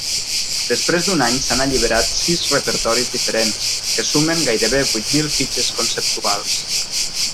Després d'un any s'han alliberat sis repertoris diferents, que sumen gairebé vuit mil fitxes conceptuals.